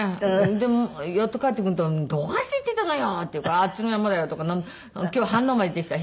でやっと帰ってくると「どこ走ってたのよ！」って言うから「あっちの山だよ」とか「今日は飯能まで行ってきた。